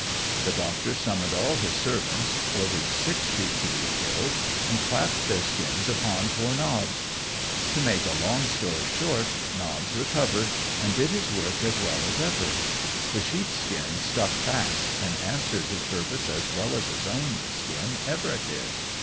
The Doctor summoned all his servants, ordered six sheep to be killed, and clapped their skins upon poor Nobbs. To make a long story short, Nobbs recovered, and did his work as well as ever. The sheep skin stuck fast, and answered his purpose as well as his own skin ever did.